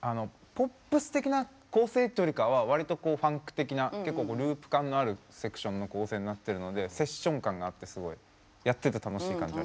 ポップス的な構成ってよりかはわりとこうファンク的な結構ループ感があるセクションの構成になってるのでセッション感があってすごいやってて楽しい感じがしました。